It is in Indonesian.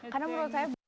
karena menurut saya